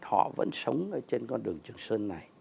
họ vẫn sống trên con đường trường sơn này